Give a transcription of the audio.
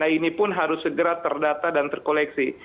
ini pun harus segera terdata dan terkoleksi